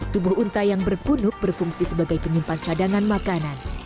tubuh unta yang berpunuk berfungsi sebagai penyimpan cadangan makanan